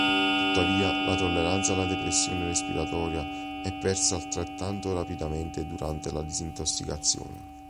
Tuttavia, la tolleranza alla depressione respiratoria è persa altrettanto rapidamente durante la disintossicazione.